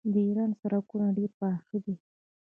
د ایران سړکونه ډیر پاخه دي.